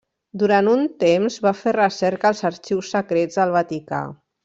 Durant un temps va fer recerca als Arxius Secrets del Vaticà.